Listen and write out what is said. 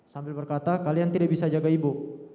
sambil berkata kalian tidak bisa jaga ibu